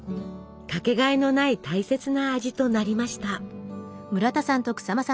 掛けがえのない大切な味となりました。